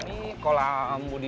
ini kolam budidaya